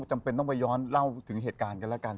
จำเป็นต้องไปย้อนเล่าถึงเหตุการณ์กันแล้วกัน